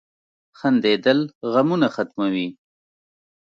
• خندېدل غمونه ختموي.